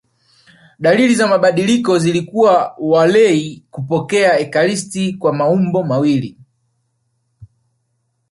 Dalili za mabadiliko zilikuwa walei kupokea ekaristi kwa maumbo mawili